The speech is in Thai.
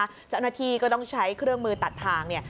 จังหวัดหน้าที่ก็ต้องใช้เครื่องมือตัดทาง